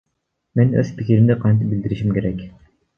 Мен өз пикиримди кантип билдиришим керек?